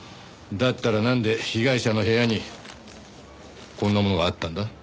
だったらなんで被害者の部屋にこんなものがあったんだ？